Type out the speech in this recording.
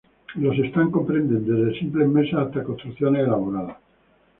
Los stands comprenden desde simples mesas hasta construcciones elaboradas.